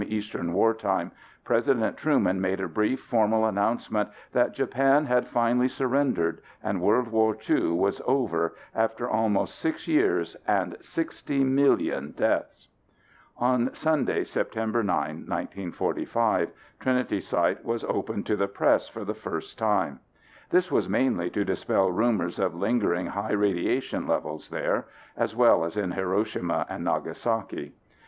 Eastern War Time, President Truman made a brief formal announcement that Japan had finally surrendered and World War II was over after almost six years and 60 million deaths! On Sunday, September 9, 1945, Trinity Site was opened to the press for the first time. This was mainly to dispel rumors of lingering high radiation levels there, as well as in Hiroshima and Nagasaki.